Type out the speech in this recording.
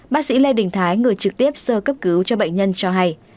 bác sĩ lê đình thái người trực tiếp sơ cấp cứu cho bệnh nhân cho hay